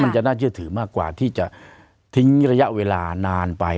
จะน่าเชื่อถือมากกว่าที่จะทิ้งระยะเวลานานไป